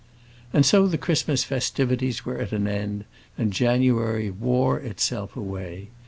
And so the Christmas festivities were at an end, and January wore itself away.